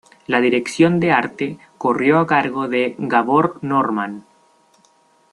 La dirección de arte corrió a cargo de Gabor Norman.